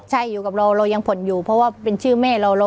ใช่อยู่กับเราเรายังผ่อนอยู่เพราะว่าเป็นชื่อแม่เรา